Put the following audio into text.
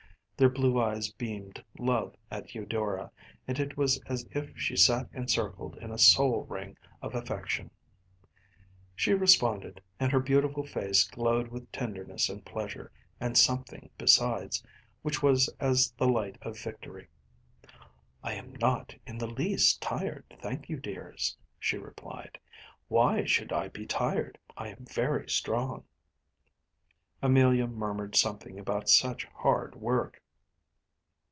Their blue eyes beamed love at Eudora, and it was as if she sat encircled in a soul ring of affection. She responded, and her beautiful face glowed with tenderness and pleasure, and something besides, which was as the light of victory. “I am not in the least tired, thank you, dears,‚ÄĚ she replied. “Why should I be tired? I am very strong.‚ÄĚ Amelia murmured something about such hard work.